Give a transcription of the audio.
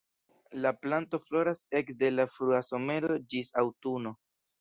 La planto floras ekde la frua somero ĝis aŭtuno.